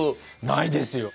ないですよ。